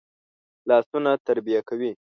لاسونه تربیه کوي